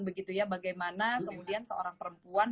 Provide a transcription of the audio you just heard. begitu ya bagaimana kemudian seorang perempuan